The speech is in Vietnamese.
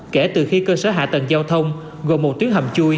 kể từ khi cơ sở hạ tầng giao thông gồm một tuyến hầm chui